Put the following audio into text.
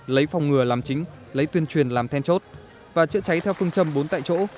lấy phòng ngừa làm chính lấy tuyên truyền làm then chốt và chữa cháy theo phương châm bốn tại chỗ